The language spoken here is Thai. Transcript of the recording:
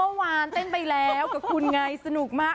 เมื่อวานเต้นไปแล้วกับคุณไงสนุกมาก